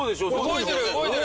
動いてる！